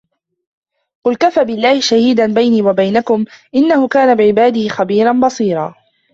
قل كفى بالله شهيدا بيني وبينكم إنه كان بعباده خبيرا بصيرا